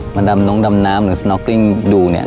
ดำน้องดำน้ำหรือสน็กกิ้งดูเนี่ย